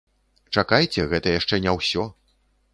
Чакайце, гэта яшчэ не ўсё.